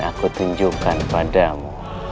aku tunjukkan padamu